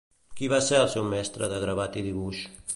Qui va ser el seu mestre de gravat i dibuix?